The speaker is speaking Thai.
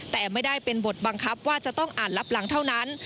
แต่ไม่ได้เป็นบทบังคับว่าจะต้องอ่านรับหลังเท่านั้น